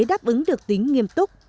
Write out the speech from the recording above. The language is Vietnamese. đáp ứng được tính nghiêm túc